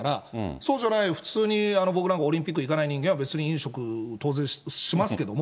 そうじゃない普通に、僕なんかオリンピック行かない人間は別に飲食、当然しますけども。